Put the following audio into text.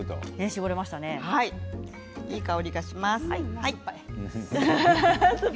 いい香りがします。